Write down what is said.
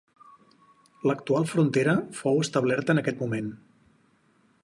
L'actual frontera fou establerta en aquest moment.